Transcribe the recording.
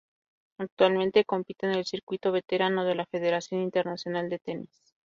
Actualmente compite en el Circuito Veterano de la Federación Internacional de Tenis.